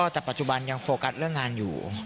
แต่ปัจจุบันยังโฟกัสเรื่องงานอยู่